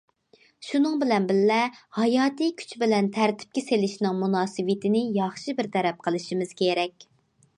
شۇنىڭ بىلەن بىللە، ھاياتىي كۈچ بىلەن تەرتىپكە سېلىشنىڭ مۇناسىۋىتىنى ياخشى بىر تەرەپ قىلىشىمىز كېرەك.